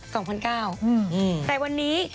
สองพันเก้าอืมแต่วันนี้